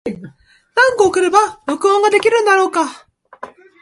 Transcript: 何個送れば録音ができるんだろうか。